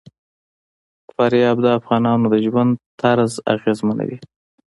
فاریاب د افغانانو د ژوند طرز اغېزمنوي.